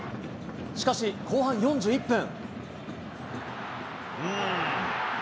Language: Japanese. しかし、後半４１分。